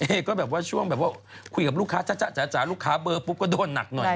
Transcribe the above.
ก็แบบว่าช่วงแบบว่าคุยกับลูกค้าจ๊ะจ๋าลูกค้าเบอร์ปุ๊บก็โดนหนักหน่อย